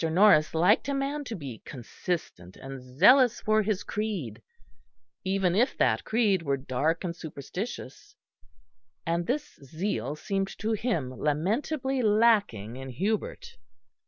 Norris liked a man to be consistent and zealous for his creed, even if that creed were dark and superstitious and this zeal seemed to him lamentably lacking in Hubert.